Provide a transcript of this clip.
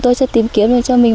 tôi chưa tìm kiếm được cho mình